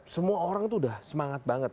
semua orang itu udah semangat banget